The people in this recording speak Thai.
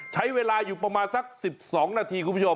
ใช้เวลาอยู่ประมาณสัก๑๒นาทีคุณผู้ชม